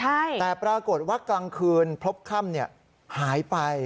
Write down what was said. ใช่แต่ปรากฏว่ากลางคืนพบค่ำหายไป